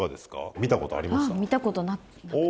見た事ありました？